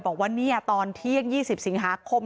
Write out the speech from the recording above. บอกว่าตอนเที่ยง๒๐สิงหาคม